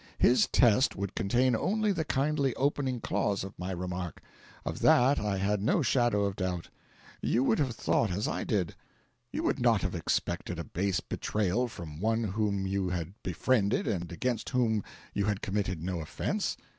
His test would contain only the kindly opening clause of my remark. Of that I had no shadow of doubt. You would have thought as I did. You would not have expected a base betrayal from one whom you had befriended and against whom you had committed no offence.